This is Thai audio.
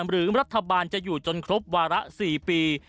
หรือรัฐบาลจะอยู่จนครบวาระ๔ปี